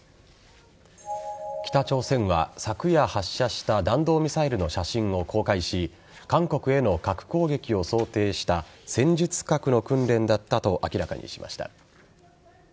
北朝鮮は、昨夜発射した弾道ミサイルの写真を公開し韓国への核攻撃を想定した戦術核の訓練だったと明らかにしました。